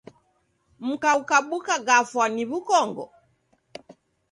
Mka ukabuka gafwa ni w'ukongo?